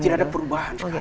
tidak ada perubahan